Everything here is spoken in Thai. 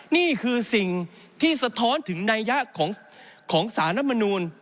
นี่คือสิ่งที่สะท้อนถึงนัยยะของสารรัฐมนูล